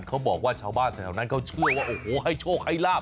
ชาวบ้านแถวนั้นเขาเชื่อว่าโอ้โหให้โชคให้ลาบ